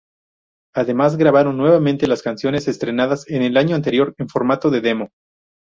Además, grabaron nuevamente las canciones estrenadas en el año anterior en formato de demo.